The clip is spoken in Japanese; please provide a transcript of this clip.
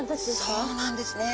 そうなんですね。